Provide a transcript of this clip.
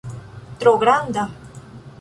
Tro granda